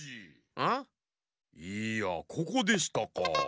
いやここでしたか。